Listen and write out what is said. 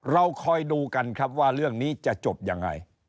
เราคอยดูกันครับว่าเรื่องนี้จะจบยังไง